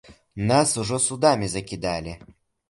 Нас ужо судамі закідалі.